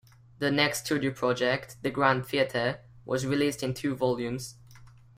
Their next studio project, "The Grand Theatre", was released in two volumes.